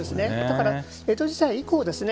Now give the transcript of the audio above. だから江戸時代以降ですね